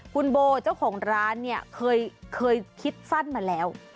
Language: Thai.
คุณโบเจ้าของร้านเนี่ยเคยคิดสั้นมาแล้ว